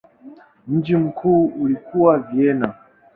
Mji mkuu ulikuwa Vienna.